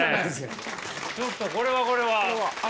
ちょっとこれはこれは。